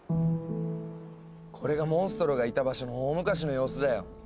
これがモンストロがいた場所の大昔の様子だよ。